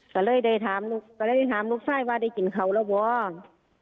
ก็เลยได้ถามลูกไส้ว่าได้กินเขาแล้วว่ะ